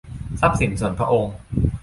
ทรัพย์สินส่วนพระองค์